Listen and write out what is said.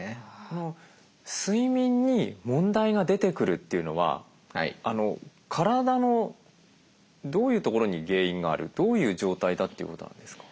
睡眠に問題が出てくるっていうのは体のどういうところに原因があるどういう状態だっていうことなんですか？